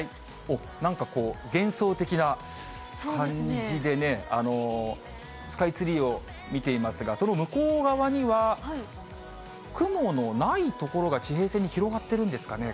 なんかこう、幻想的な感じでね、スカイツリーを見ていますが、その向こう側には、雲のない所が地平線に広がっているんですかね。